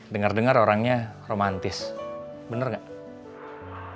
dengar dengar orangnya romantis bener gak